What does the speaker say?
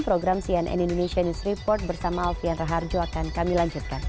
program cnn indonesia news report bersama alfian raharjo akan kami lanjutkan